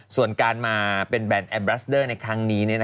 ส่วนการมาเป็นแบรนดแอมบรัสเดอร์ในครั้งนี้